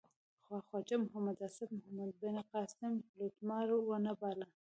خو خواجه محمد آصف محمد بن قاسم لوټمار و نه باله.